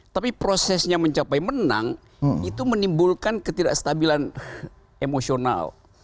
tapi prosesnya mencapai menang itu menimbulkan ketidakstabilan emosional